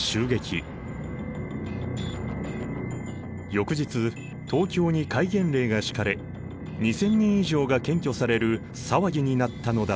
翌日東京に戒厳令が敷かれ２，０００人以上が検挙される騒ぎになったのだった。